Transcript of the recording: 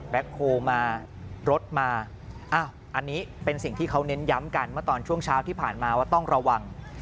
โฮลมารถมาอันนี้เป็นสิ่งที่เขาเน้นย้ำกันเมื่อตอนช่วงเช้าที่ผ่านมาว่าต้องระวัง